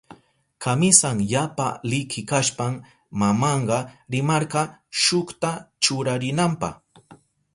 Kamisan yapa liki kashpan mamanka rimarka shukta churarinanpa.